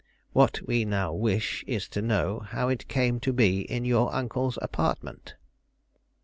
What we now wish, is to know how it came to be in your uncle's apartment."